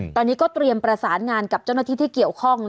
ตอนนี้ก็เตรียมประสานงานกับเจ้าหน้าที่ที่เกี่ยวข้อง